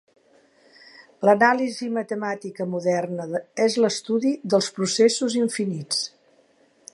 L'anàlisi matemàtica moderna és l'estudi dels processos infinits.